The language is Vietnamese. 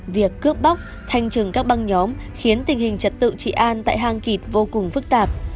việc cướp bóc thanh trừng các băng nhóm khiến tình hình trật tự trị an tại hang kịt vô cùng phức tạp